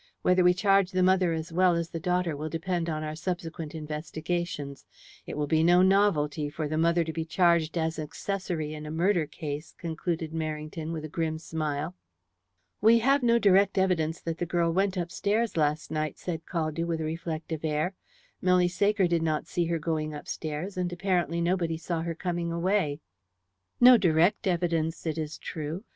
Whether we charge the mother as well as the daughter will depend on our subsequent investigations. It will be no novelty for the mother to be charged as accessory in a murder case," concluded Merrington, with a grim smile. "We have no direct evidence that the girl went upstairs last night," said Caldew, with a reflective air. "Milly Saker did not see her going upstairs, and apparently nobody saw her coming away." "No direct evidence, it is true.